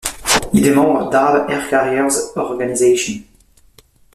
Il est membre d'Arab Air Carriers Organization.